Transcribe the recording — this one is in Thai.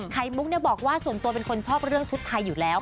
ไข่มุกบอกว่าส่วนตัวเป็นคนชอบเรื่องชุดไทยอยู่แล้ว